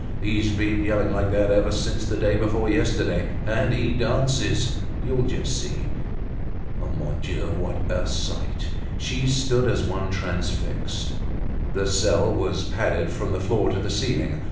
He's been yelling like that ever since the day before yesterday; and he dances, you'll just see." Mon Dieu! what a sight! She stood as one transfixed. The cell was padded from the floor to the ceiling.